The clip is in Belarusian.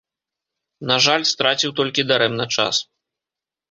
На жаль, страціў толькі дарэмна час.